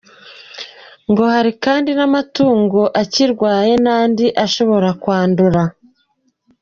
Ngo hari kandi n’amatungo akirwaye n’andi ashobora kwandura.